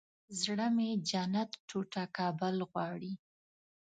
زړه مې جنت ټوټه کابل غواړي